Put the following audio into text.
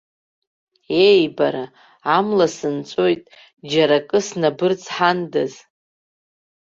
Еи, бара, амла сынҵәоит, џьара акы снабырцҳандаз.